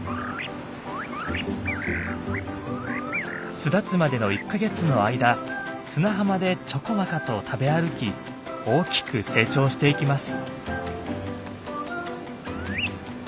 巣立つまでの１か月の間砂浜でちょこまかと食べ歩き大きく成長していきます。